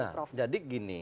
nah jadi gini